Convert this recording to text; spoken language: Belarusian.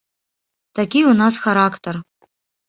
Такі ў нас характар.